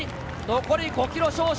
残り５ｋｍ少々。